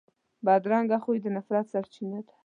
بدرنګه خوی د نفرت سرچینه ده